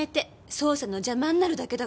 捜査の邪魔になるだけだから。